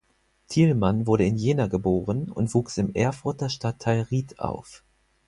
Thielmann wurde in Jena geboren und wuchs im Erfurter Stadtteil Rieth auf.